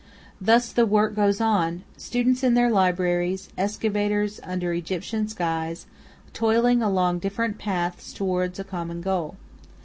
Thus the work goes on; students in their libraries, excavators under Egyptian skies, toiling along different paths towards a common goal.